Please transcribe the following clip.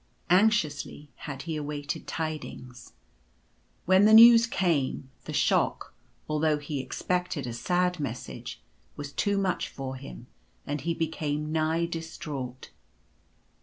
Anxiously had he awaited tidings. When the news came, the shock, although he expected a sad message, was too much for him, and he became nigh distraught.